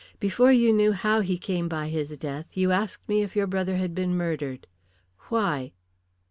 Before you knew how he came by his death you asked me if your brother had been murdered. Why?"